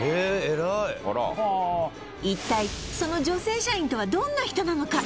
偉い一体その女性社員とはどんな人なのか？